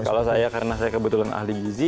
kalau saya karena saya kebetulan ahli gizi